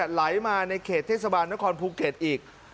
ไหลมาในเขตเทศบาลนครภูเก็ตอีก